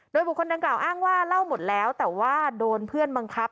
โดยบุคคลดังกล่าวอ้างว่าเล่าหมดแล้วแต่ว่าโดนเพื่อนบังคับ